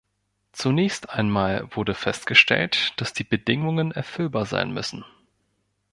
Zunächst einmal wurde festgestellt, dass die Bedingungen erfüllbar sein müssen.